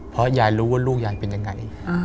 เพราะยายรู้ว่าลูกยายเป็นยังไง